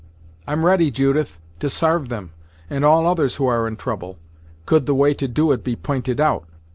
"I'm ready, Judith, to sarve them, and all others who are in trouble, could the way to do it be p'inted out.